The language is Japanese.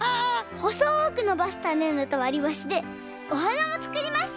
ほそくのばしたねんどとわりばしでおはなもつくりました！